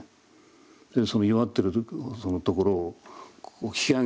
その弱ってるところをこう引き上げて。